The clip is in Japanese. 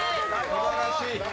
すばらしい。